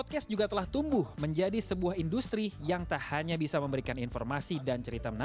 ternyata melejit secara awareness di season satu